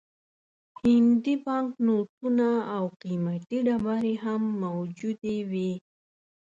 هندي بانک نوټونه او قیمتي ډبرې هم موجودې وې.